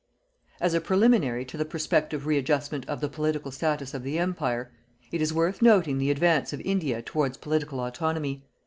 As a preliminary to the prospective readjustment of the political status of the Empire, it is worth noting the advance of India towards political autonomy.